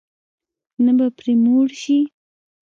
نه به پرې موړ شې.